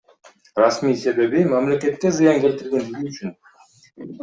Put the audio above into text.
Расмий себеби — мамлекетке зыян келтиргендиги үчүн.